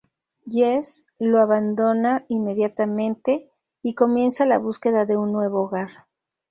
Jess lo abandona inmediatamente, y comienza la búsqueda de un nuevo hogar.